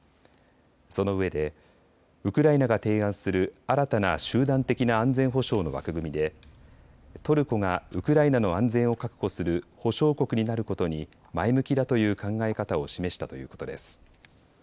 そのうえで、ウクライナが提案する新たな集団的な安全保障の枠組みでトルコがウクライナの安全を確保する保証国になることに前向きだという考え方を示したということです。